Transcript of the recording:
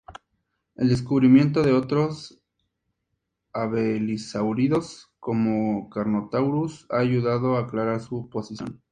El descubrimiento de otros abelisáuridos como "Carnotaurus" ha ayudado a aclarar su posición.